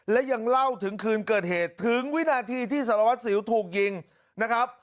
และยังเล่าถึงคืนเกิดเหตุถึงวินาทีที่สารวัตรสิวถูกยิงนะครับ